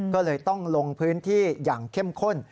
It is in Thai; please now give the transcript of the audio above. ก็เลยต้องลงพื้นที่อย่างเข้มข้น